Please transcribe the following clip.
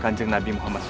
kajang nabi muhammad